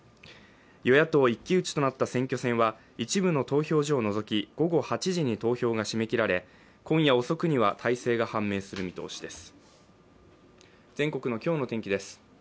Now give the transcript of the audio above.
与野党一騎打ちとなった選挙戦は一部の投票所をのぞき午後８時に投票が締め切られ今夜遅くには大勢が判明する見通しです。